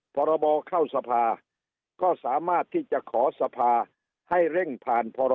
พรบเข้าสภาก็สามารถที่จะขอสภาให้เร่งผ่านพร